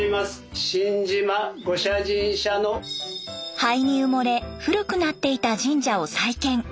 灰に埋もれ古くなっていた神社を再建。